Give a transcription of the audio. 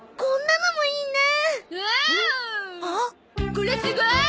これすごーい！